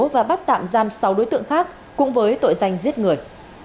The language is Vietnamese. và bắt tạm giam sáu đối tượng khác cũng với tội danh giết người